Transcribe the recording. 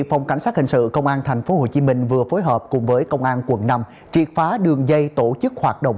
phòng cảnh sát hình sự công an tp hcm vừa phối hợp cùng với công an quận năm triệt phá đường dây tổ chức hoạt động